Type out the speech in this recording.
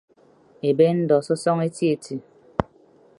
Ebe ndọ sọsọñọ eti eti.